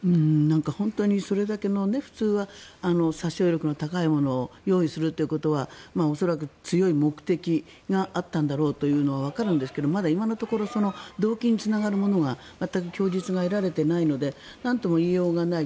本当にそれだけの普通は殺傷力の高いものを用意するっていうことは恐らく、強い目的があったんだろうというのはわかるんですがまだ今のところ動機につながるものが全く供述が得られていないのでなんとも言いようがない。